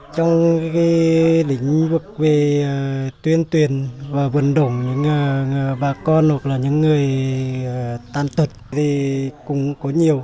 trong lĩnh vực về tuyên tuyển và vận động những bà con hoặc là những người tan tuật cũng có nhiều